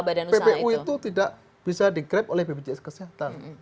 bahwa ppu itu tidak bisa di grab oleh bpjs kesehatan